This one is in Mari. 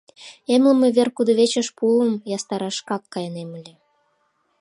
Эмлыме вер кудывечыш пуым ястараш шкак кайынем ыле.